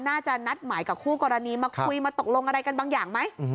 น่าจะนัดหมายกับคู่กรณีมาคุยมาตกลงอะไรกันบางอย่างไหม